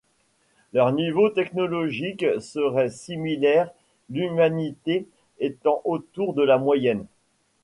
Leur niveau technologique seraient similaire, l'humanité étant autour de la moyenne.